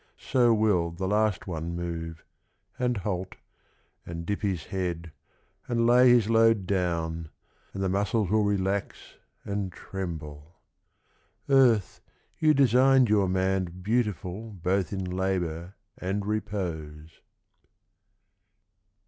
So will the last one move, And halt, and dip his head, and lay his load Down, and the muscles will relax and tremble. .. Earth, you designed your man Beautiful both in labour, and repose.